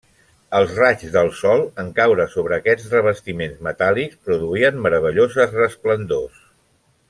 Els raigs del sol, en caure sobre aquests revestiments metàl·lics, produïen meravelloses resplendors.